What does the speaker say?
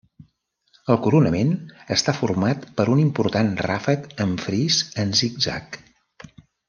El coronament està format per un important ràfec amb fris en zig-zag.